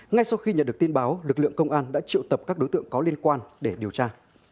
ngay sau khi nhận được tin báo lực lượng công an đã triệu tập các đối tượng có liên quan để điều tra